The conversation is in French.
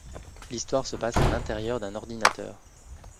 L'histoire se passe à l'intérieur d'un ordinateur.